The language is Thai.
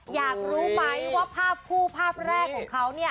อยากรู้ไหมว่าภาพคู่ภาพแรกของเค้า